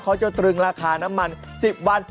ตรึงราคาน้ำมัน๑๐วัน